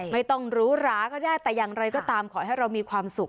ไม่ต้องหรูหราก็ได้แต่อย่างไรก็ตามขอให้เรามีความสุข